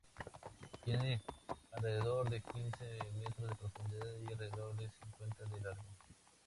Tiene alrededor de quince metros de profundidad y alrededor de cincuenta de largo.